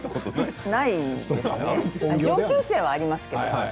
上級生はありますけれど。